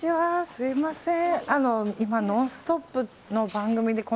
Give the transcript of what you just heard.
すみません。